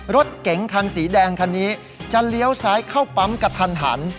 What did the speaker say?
รถเก๋งคันสีแดงคันนี้จะเลี้ยวซ้ายเข้าปั๊มกระทันหัน